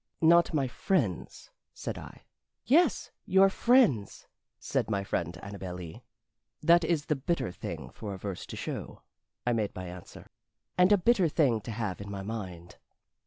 "Not my friends?" said I. "Yes, your friends," said my friend Annabel Lee. "That is a bitter thing for a verse to show," I made answer, "and a bitter thing to have in my mind."